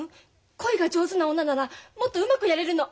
恋が上手な女ならもっとうまくやれるの。